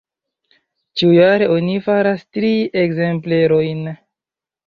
Ĉiujare oni faras tri ekzemplerojn.